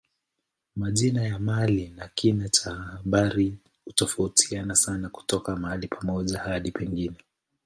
Majina ya mahali na kina cha habari hutofautiana sana kutoka mahali pamoja hadi pengine.